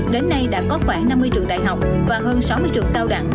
đến nay đã có khoảng năm mươi trường đại học và hơn sáu mươi trường cao đẳng